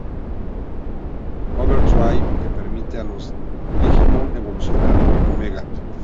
Overdrive", que permite a los Digimon evolucionar al cuerpo Mega.